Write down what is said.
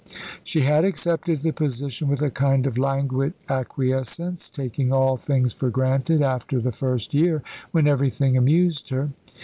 She had accepted the position with a kind of languid acquiescence, taking all things for granted, after the first year, when everything amused her.